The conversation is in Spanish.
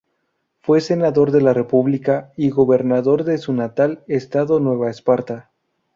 Fue senador de la República y gobernador de su natal Estado Nueva Esparta.